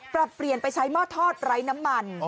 ปรับเปลี่ยนไปใช้หม้อทอดไร้น้ำมัน